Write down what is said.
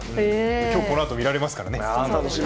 今日このあと見られますからね。